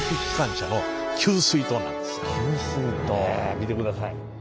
見てください。